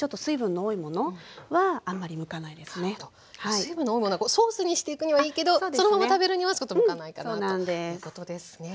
水分の多いものはソースにしていくにはいいけどそのまま食べるにはちょっと向かないかなということですね。